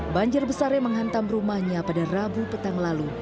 banjir besar yang menghantam rumahnya pada rabu petang lalu